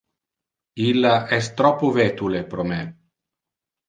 Illa es troppo vetule pro me.